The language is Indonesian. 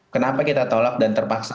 kenapa kita tolak dan terpaksa